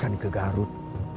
dapatkan ke garut